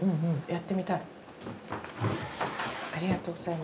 やってみたい！